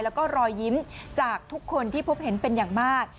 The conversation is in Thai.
แล้วก็รอยยิ้มจากทุกคนที่พบเห็นเป็นอย่างมาก